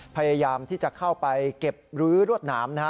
พยายามที่จะเข้าไปเก็บรื้อรวดหนามนะฮะ